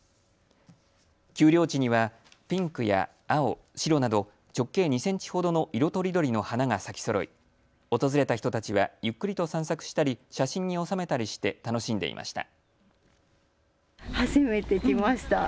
丘陵地にはピンクや青、白など直径２センチほどの色とりどりの花が咲きそろい訪れた人たちはゆっくりと散策したり写真に収めたりして楽しんでいました。